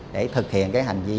để thực hiện cái hành vi